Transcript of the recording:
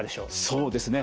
そうですね。